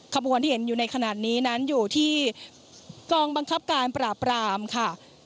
ขบวนที่เห็นอยู่ในขณะนี้นั้นอยู่ที่กองบังคับการปราบรามค่ะ